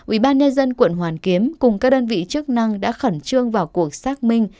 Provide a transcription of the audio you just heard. ubnd quận hoàn kiếm cùng các đơn vị chức năng đã khẩn trương vào cuộc xác minh